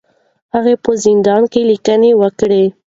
هغه په زندان کې لیکنې وکړې.